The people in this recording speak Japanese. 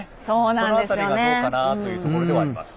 その辺りが、どうかなというところかなと思います。